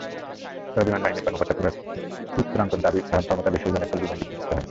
তবে বিমানবাহিনীর কর্মকর্তা পুতরানতোর দাবি, ধারণক্ষমতার বেশি ওজন বহনের ফলে বিমানটি বিধ্বস্ত হয়নি।